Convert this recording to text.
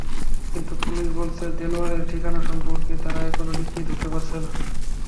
কিন্তু পুলিশ বলছে, দেলোয়ারের ঠিকানা সম্পর্কে তারা এখনো নিশ্চিত হতে পারছে না।